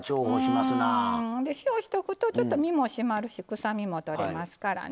塩しておくと身も締まるし臭みも取れますからね。